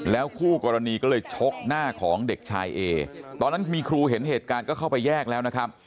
คู่กรณีก็เลยชกหน้าของเด็กชายเอตอนนั้นมีครูเห็นเหตุการณ์ก็เข้าไปแยกแล้วนะครับ